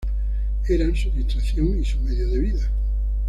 Eran su distracción y su medio de vida.